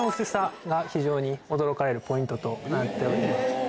非常に驚かれるポイントとなっております。